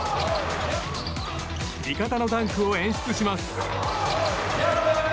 味方のダンクを演出します。